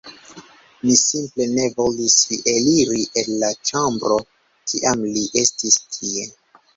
Mi simple ne volis eliri el la ĉambro, kiam li estis tie.